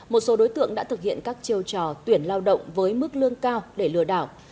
một số đối tượng đã thực hiện các chiêu trò tuyển lao động với mức lương cao để lừa đảo